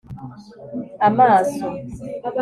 amaso (